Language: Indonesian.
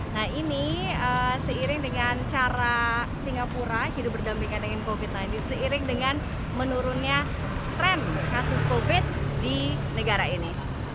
nah ini seiring dengan cara singapura hidup berdampingan dengan covid sembilan belas seiring dengan menurunnya tren kasus covid di negara ini